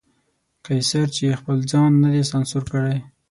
قیصر چې خپل ځان نه دی سانسور کړی.